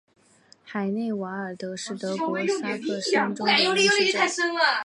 海内瓦尔德是德国萨克森州的一个市镇。